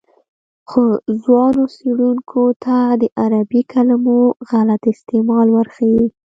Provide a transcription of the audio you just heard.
خو ځوانو څېړونکو ته د عربي کلمو غلط استعمال ورښيي.